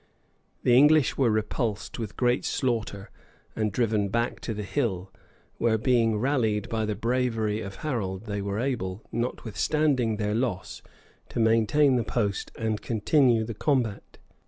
The English were repulsed with great slaughter, and driven back to the hill; where, being rallied by the bravery of Harold, they were able, notwithstanding their loss, to maintain the post and continue the combat.